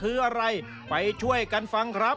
สุดท้ายของพ่อต้องรักมากกว่านี้ครับ